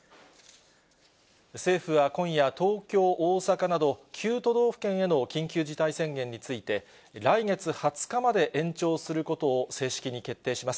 政府は今夜、東京、大阪など、９都道府県への緊急事態宣言について、来月２０日まで延長することを正式に決定します。